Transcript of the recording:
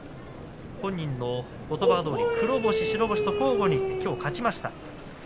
本人のことばどおり黒星白星と交互にきょう勝ちました。